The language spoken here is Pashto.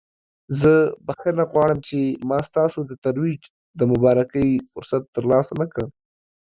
زه بخښنه غواړم چې ما ستاسو د ترویج د مبارکۍ فرصت ترلاسه نکړ.